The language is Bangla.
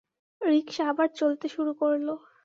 রিকশা আবার চলতে শুরু করল।